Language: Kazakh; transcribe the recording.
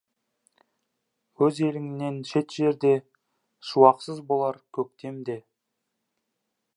Өз еліңнен шет жерде шуақсыз болар көктем де.